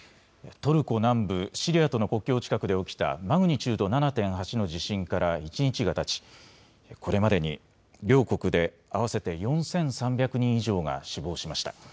トルコ南部シリアとの国境近くで起きたマグニチュード７．８の地震から一日がたちこれまでに両国で合わせて４３００人以上が死亡しました。